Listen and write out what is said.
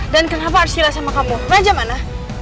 dan kenapa arsila sama kamu raja mana